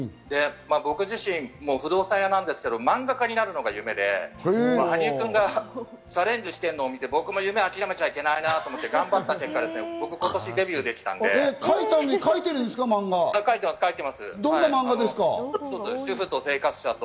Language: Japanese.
僕自身、不動産屋なんですけれども、漫画家になるのが夢で、羽生君がチャレンジしいてるのを見て僕も夢諦めちゃいけないなと思った結果、僕、今年デビューできたんで、どんな漫画ですか？